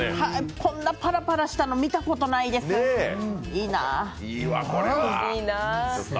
こんなパラパラしたの見たことないです、いいなあ。